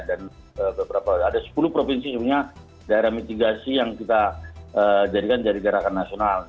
ada beberapa ada sepuluh provinsi sebenarnya daerah mitigasi yang kita jadikan dari gerakan nasional